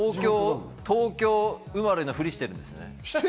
東京生まれのふりをしてるんですね。